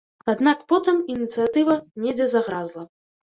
Аднак потым ініцыятыва недзе загразла.